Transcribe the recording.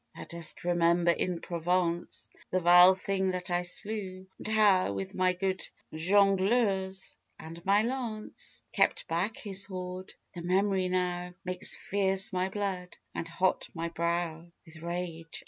Thou dost remember in Provence The vile thing that I slew; and how With my good jongleurs and my lance Kept back his horde! The memory now Makes fierce my blood and hot my brow With rage.